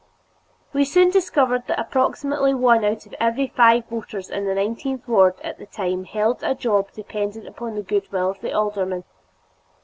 We soon discovered that approximately one out of every five voters in the nineteenth ward at that time held a job dependent upon the good will of the alderman.